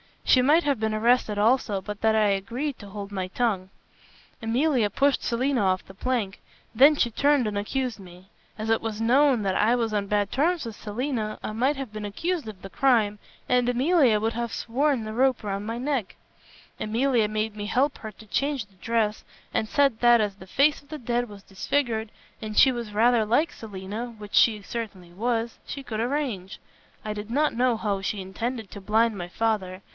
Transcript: She might have been arrested also, but that I agreed to hold my tongue. Emilia pushed Selina off the plank. Then she turned and accused me. As it was known that I was on bad terms with Selina, I might have been accused of the crime, and Emilia would have sworn the rope round my neck. Emilia made me help her to change the dress, and said that as the face of the dead was disfigured, and she was rather like Selina which she certainly was, she could arrange. I did not know how she intended to blind my father.